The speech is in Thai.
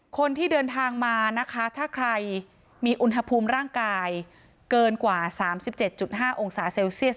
คนที่เดินทางมานะคะถ้าใครมีอุณหภูมิร่างกายเกินกว่าสามสิบเจ็ดจุดห้าองศาเซลเซียส